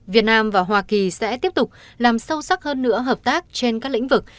việt nam và hoa kỳ sẽ tiếp tục làm sâu sắc hơn nữa hợp tác trên các lĩnh vực